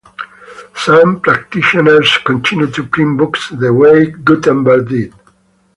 Some practitioners continue to print books the way Gutenberg did.